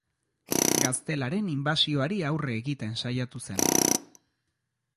Gaztelaren inbasioari aurre egiten saiatu zen.